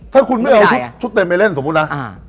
ถ้าคุณไม่เอาชุดเต็มไปเล่นสมมุตินะ